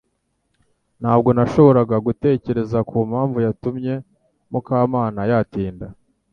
Ntabwo nashoboraga gutekereza kumpamvu yatuma Mukamana yatinda